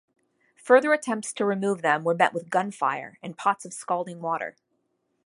Further attempts to remove them were met with gunfire and pots of scalding water.